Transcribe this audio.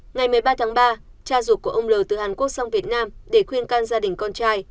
ngày một mươi ba tháng ba cha ruột của ông l từ hàn quốc sang việt nam để khuyên can gia đình con trai